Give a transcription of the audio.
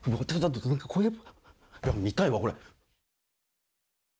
怖え見たいわこれ。